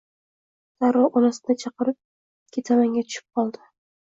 Darrov onasini chaqirib, ketamanga tushib qoldi